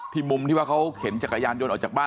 มุมที่ว่าเขาเข็นจักรยานยนต์ออกจากบ้าน